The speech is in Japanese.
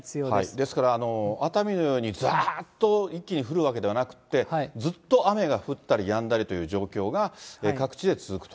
ですから、熱海のように、ざーっと一気に降るわけではなくて、ずっと雨が降ったりやんだりという状況が各地で続くと。